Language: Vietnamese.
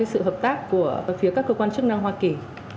sự hợp tác của phía các cơ quan chức năng hoa kỳ